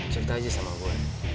cerita aja sama gue